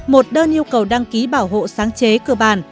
một đơn yêu cầu đăng ký bảo hộ sáng chế cơ bản